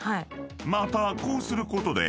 ［またこうすることで］